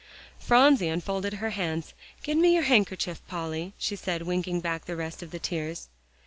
Phronsie unfolded her hands. "Give me your handkerchief, Polly," she said, winking back the rest of the tears.